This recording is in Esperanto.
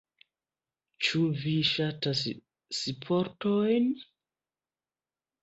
Ĉu vi ŝatas sportojn?